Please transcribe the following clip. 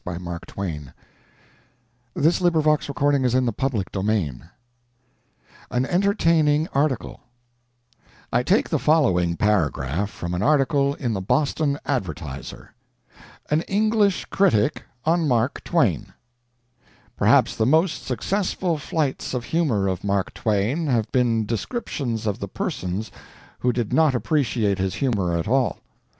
In my opinion there would have been a case of infanticide in our family. AN ENTERTAINING ARTICLE I take the following paragraph from an article in the Boston Advertiser: AN ENGLISH CRITIC ON MARK TWAIN Perhaps the most successful flights of humor of Mark Twain have been descriptions of the persons who did not appreciate his humor at all.